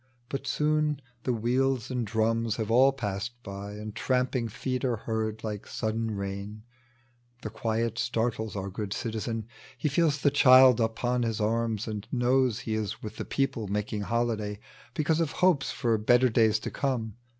But soon the wheels and di'ums have all passed by,. And tramping feet are heard like sudden rain : The quiet startles our good citizen ; He feels the child upon his arms, and knows He ia with the people making holiday Because of hopes for better days to come.